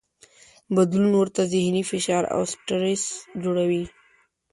بدلون ورته ذهني فشار او سټرس جوړوي.